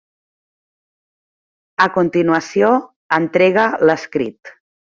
A continuació, entrega l'escrit.